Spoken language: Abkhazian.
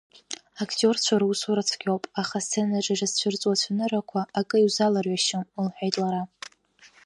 Актиорцәа русура цәгьоуп, аха асценаҿы ирызцәырҵуа ацәаныррақәа, акы иузаларҩашьом, — лҳәеит лара.